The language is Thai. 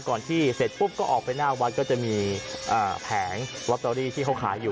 ที่เสร็จปุ๊บก็ออกไปหน้าวัดก็จะมีแผงลอตเตอรี่ที่เขาขายอยู่